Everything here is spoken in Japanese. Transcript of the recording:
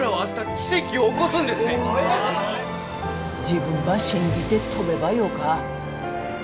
自分ば信じて飛べばよか。